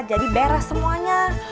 jadi beres semuanya